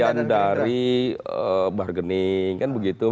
bagian dari bargaining kan begitu